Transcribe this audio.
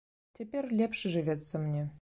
Цяпер лепш жывецца мне.